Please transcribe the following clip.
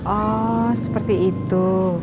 oh seperti itu